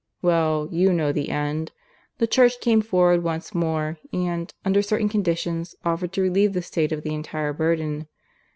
Well, you know the end. The Church came forward once more and, under certain conditions, offered to relieve the State of the entire burden.